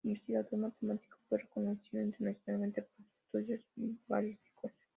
Investigador y matemático, fue reconocido internacionalmente por sus estudios balísticos.